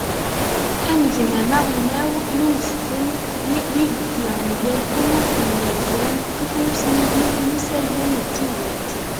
anegmam aɣelnaw n umesten d yibeddi mgal unufen yerzan tiknussniwin n yisallen d teywalt